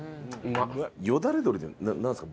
よだれ鶏ってなんですか？